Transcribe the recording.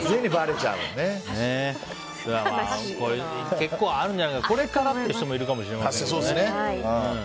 結構あるんじゃないかなこれからっていう人もいるかも。